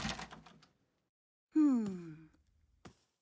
うん？